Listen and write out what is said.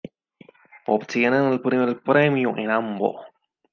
Obtienen el Primer Premio en ambos.